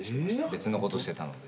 別のことしてたので。